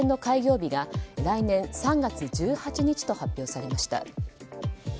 日が来年３月１８日と発表されました。